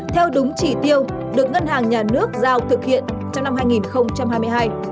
theo đúng chỉ tiêu được ngân hàng nhà nước giao thực hiện trong năm hai nghìn hai mươi hai